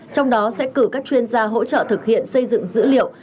trong đó sẽ cử các chuyên gia hỗ trợ thực hiện xây dựng dữ liệu